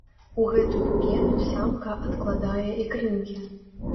У гэтую пену самка адкладае ікрынкі.